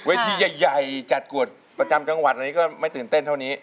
ที่ใหญ่จัดกวดประจำจังหวัดอะไรก็ไม่ตื่นเต้นเท่านี้